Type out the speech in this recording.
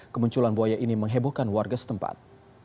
kemunculan buaya ini menghebohkan warga setempat